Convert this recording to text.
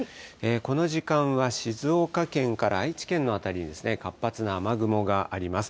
この時間は、静岡県から愛知県の辺りに活発な雨雲があります。